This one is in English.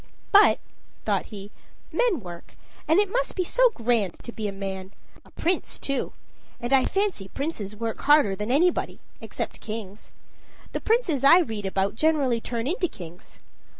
"But," thought he, "men work, and it must be so grand to be a man a prince too; and I fancy princes work harder than anybody except kings. The princes I read about generally turn into kings.